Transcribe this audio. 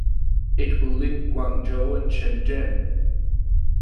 It will link Guangzhou and Shenzhen.